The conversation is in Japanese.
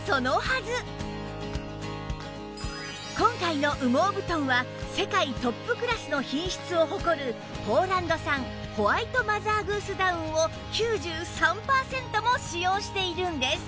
今回の羽毛布団は世界トップクラスの品質を誇るポーランド産ホワイトマザーグースダウンを９３パーセントも使用しているんです